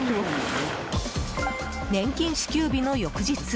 年金支給日の翌日。